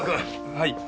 はい。